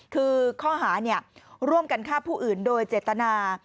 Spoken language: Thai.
คือข้อหาร่วมกันฆ่าผู้อื่นโดยเจตนา